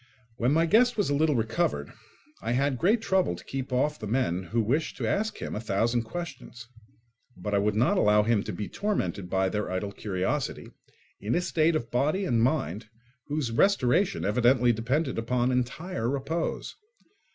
When my guest was a little recovered I had great trouble to keep off the men, who wished to ask him a thousand questions; but I would not allow him to be tormented by their idle curiosity, in a state of body and mind whose restoration evidently depended upon entire repose.